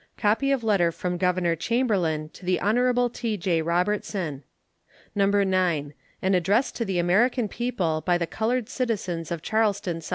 Copy of letter from Governor Chamberlain to the Hon. T.J. Robertson. No. 9. An address to the American people by the colored citizens of Charleston, S.C.